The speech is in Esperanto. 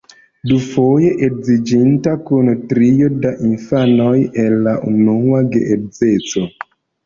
Dufoje edziĝinta, kun trio da infanoj el la unua geedzeco.